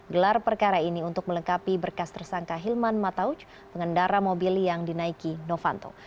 gelar perkara ini untuk melengkapi berkas tersangka hilman matauj pengendara mobil yang dinaiki novanto